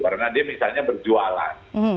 karena dia misalnya berjualan